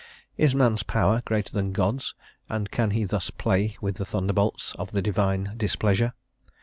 Is man's power greater than God's, and can he thus play with the thunderbolts of the divine displeasure?